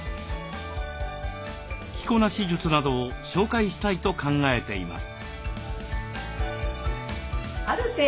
着こなし術などを紹介したいと考えています。